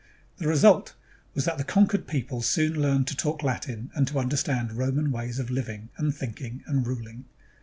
The result was that the conquered people soon learned to talk Latin and to understand Roman ways of living and thinking and ruling.